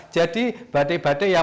jadi badai badai yang